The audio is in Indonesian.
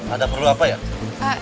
ada perlu apa ya